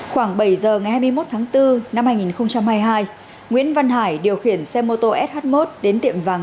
khoảng bảy giờ ngày hai mươi một tháng bốn năm hai nghìn hai mươi hai nguyễn văn hải điều khiển xe mô tô sh một đến tiệm vàng